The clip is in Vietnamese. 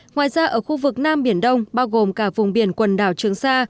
ngoài ra ở khu vực nam biển đông bao gồm cả vùng biển quần đảo trường sa